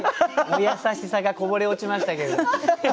お優しさがこぼれ落ちましたけれど。